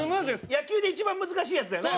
野球で一番難しいやつあれね。